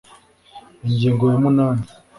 ingingo ya munani